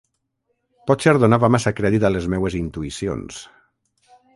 Potser donava massa crèdit a les meues intuïcions...